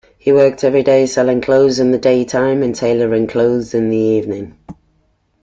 He worked everyday selling clothes in the daytime and tailoring clothes in the evening.